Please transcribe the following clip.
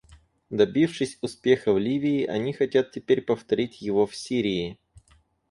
Добившись успеха в Ливии, они хотят теперь повторить его в Сирии.